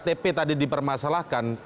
kemudian iktp tadi dipermasalahkan